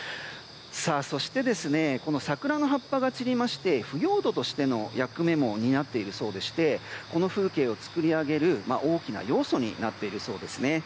そして、桜の葉っぱが散りまして腐葉土としての役目も担っているそうでしてこの風景を作り上げる大きな要素になっているそうですね。